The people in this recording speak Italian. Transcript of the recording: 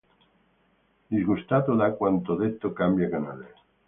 Disgustato da quanto detto, cambia canale.